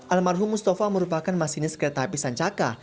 almarhum mustafa merupakan masinis kereta api sancaka